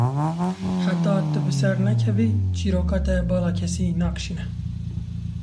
Heta tu biser nekevî, çîroka te bala kesî nakişîne.